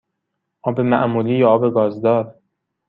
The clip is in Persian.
آب معمولی یا آب گازدار؟